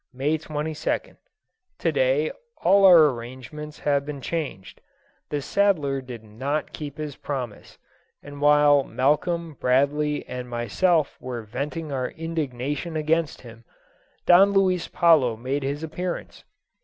May 22nd. To day all our arrangements have been changed; the saddler did not keep his promise, and while Malcolm, Bradley, and myself were venting our indignation against him, Don Luis Palo made his appearance.